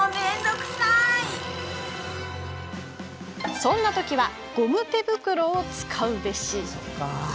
そんなときはゴム手袋を使うべし。